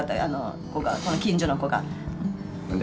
あの子がこの近所の子が。